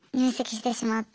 してしまった。